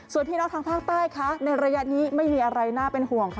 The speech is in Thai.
ส่วนพี่น้องทางภาคใต้คะในระยะนี้ไม่มีอะไรน่าเป็นห่วงค่ะ